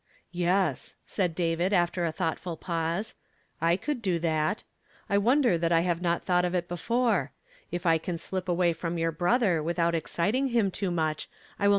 " Yes," said David after a thoughtful pause, "I could do that; I wonder that I have not thought of it before. If I can slip away from your brother without exciting iiim too much, I will make the effort." . ;r *'ttOt*E bFiFEtlRED.